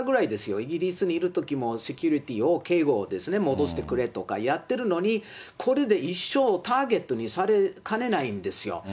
イギリスにいるときもセキュリティーを、警護、戻してくれとかやってるのに、これで一生、ターゲットにされかねないんですよ。